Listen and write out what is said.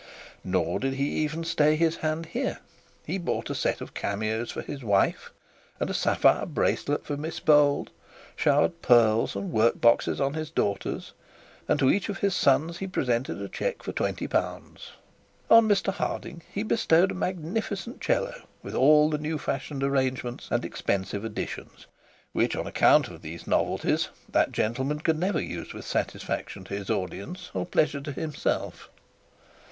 Nor did he even stay his hand here; he bought a set of cameos for his wife, and a sapphire bracelet for Miss Bold; showered pearls and workboxes on is daughters, and to each of his sons he presented a cheque for 20 pounds. On Mr Harding he bestowed a magnificent violoncello with all the new fashioned arrangements and expensive additions, which, on account of these novelties, that gentleman could never use with satisfaction to his audience or pleasure to himself.